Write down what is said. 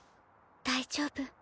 大丈夫。